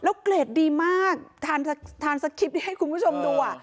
แล้วเกรดดีมากทานสคริปต์ที่ให้คุณผู้ชมดูอ่ะ